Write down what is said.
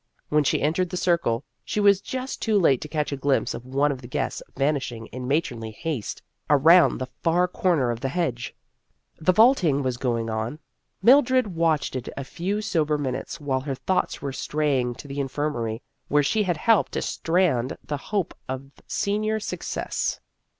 When she entered the Circle, she was just too late to catch a glimpse of one of the guests vanishing in matronly haste around the far corner of the hedge, 1 68 Vassar Studies The vaulting was going on. Mildred watched it a few sober minutes while her thoughts were straying to the infirmary where she had helped to strand the hope of senior success.